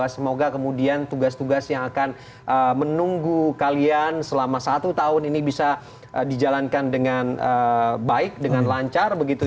semoga kemudian tugas tugas yang akan menunggu kalian selama satu tahun ini bisa dijalankan dengan baik dengan lancar begitu